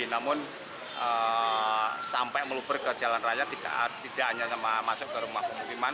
namun sampai melufer ke jalan raya tidak hanya masuk ke rumah pemukiman